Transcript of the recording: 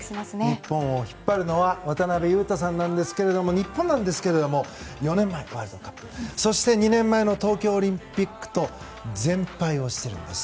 日本を引っ張るのは渡邊雄太さんなんですが日本ですが４年前のワールドカップ２年前の東京オリンピックと全敗をしているんです。